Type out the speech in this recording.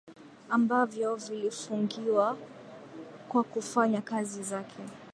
ambavyo vilifungiwa kwa kufanya kazi zake